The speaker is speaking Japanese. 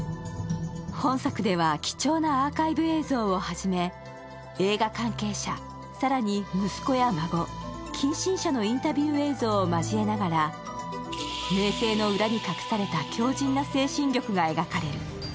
本作では貴重なアーカイブ映像をはじめ、映画関係者、更に息子や孫近親者のインタビュー映像を交えながら名声の裏に隠された強靱な精神力が描かれる。